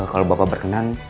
kalo bapak berkenan